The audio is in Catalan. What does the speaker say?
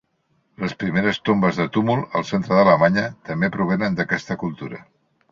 Les primeres tombes de túmul al centre d'Alemanya també provenen d'aquesta cultura.